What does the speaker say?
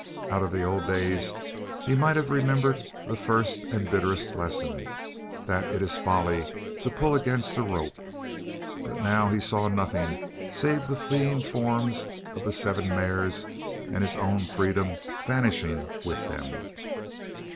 Out of the old days he might have remembered the first and bitterest lesson that it is folly to pull against a rope but now he saw nothing save the fleeing forms of the seven mares and his own freedom vanishing with them.